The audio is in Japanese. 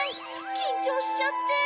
きんちょうしちゃって！